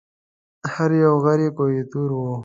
هر یو غر یې کوه طور و